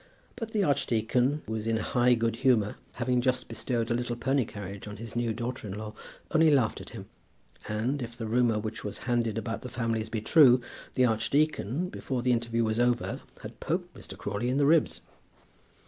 But the archdeacon, who was in high good humour, having just bestowed a little pony carriage on his new daughter in law, only laughed at him; and, if the rumour which was handed about the families be true, the archdeacon, before the interview was over, had poked Mr. Crawley in the ribs.